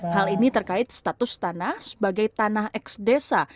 hal ini terkait status tanah sebagai tanah eks desa